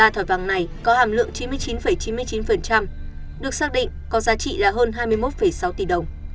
ba thỏi vàng này có hàm lượng chín mươi chín chín mươi chín được xác định có giá trị là hơn hai mươi một sáu tỷ đồng